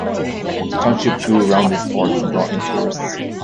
A township grew around this port, and brought in tourists.